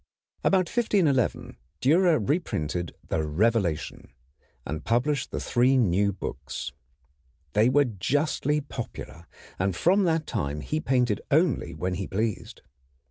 About 1511 Dürer reprinted the Revelation, and published the three new books. They were justly popular, and from that time he painted only when he pleased.